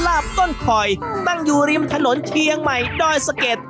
ลาบต้นคอยตั้งอยู่ริมถนนเชียงใหม่ดอยสะเก็ด